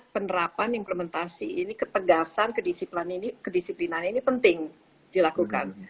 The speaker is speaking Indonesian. penerapan implementasi ini ketegasan kedisiplinan ini penting dilakukan